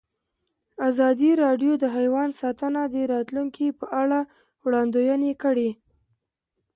ازادي راډیو د حیوان ساتنه د راتلونکې په اړه وړاندوینې کړې.